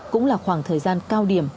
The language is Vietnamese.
cũng là khoảng thời gian cao điểm